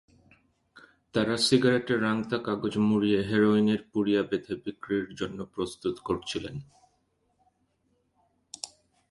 তাঁরা সিগারেটের রাংতা কাগজ মুড়িয়ে হেরোইনের পুরিয়া বেঁধে বিক্রির জন্য প্রস্তুত করছিলেন।